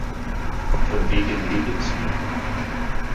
Von wegen lebensmüde!